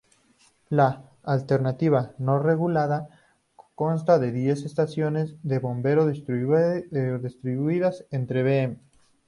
La "Alternativa No Regulada" consta de diez estaciones de bombeo distribuidas entre Bv.